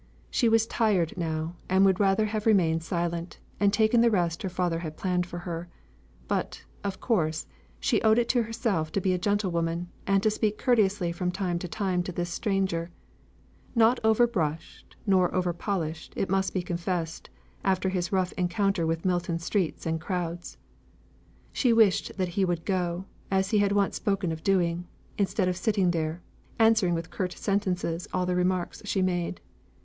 She was tired now, and would much rather have remained silent, and taken the rest her father had planned for her; but, of course, she owed to herself to be a gentlewoman, and to speak courteously from time to time to this stranger; not over brushed, nor over polished, it must be confessed, after his rough encounter with Milton streets and crowds. She wished that he would go, as he had once spoken of doing, instead of sitting there, answering with curt sentences all the remarks she made.